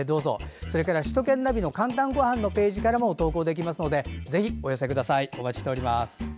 また、首都圏ナビの「かんたんごはん」のページからも投稿できますのでぜひ、お寄せください。